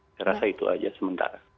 saya rasa itu aja sementara